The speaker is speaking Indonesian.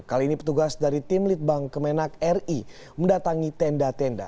kali ini petugas dari tim litbang kemenak ri mendatangi tenda tenda